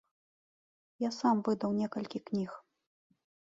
Я сам выдаў некалькі кніг.